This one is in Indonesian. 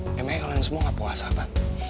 emangnya kalian semua gak puasa apa